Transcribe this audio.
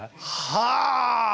はあ。